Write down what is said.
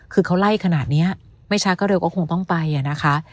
คือเขาไล่ขนาดนี้ไม่ช้าก็เร็วก็คงต้องไปอะนะคะ